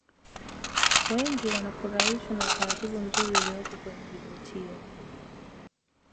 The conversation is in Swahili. wengi wanafurahishwa na utaratibu mzuri uliopo kwenye vivutio